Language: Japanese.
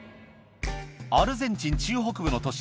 アルゼンチン中北部の都市